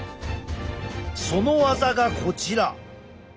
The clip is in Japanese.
その技がこちら。